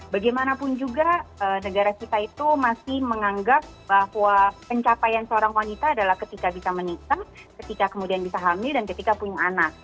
bagaimanapun juga negara kita itu masih menganggap bahwa pencapaian seorang wanita adalah ketika bisa menikah ketika kemudian bisa hamil dan ketika punya anak